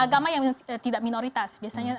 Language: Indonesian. agama yang tidak minoritas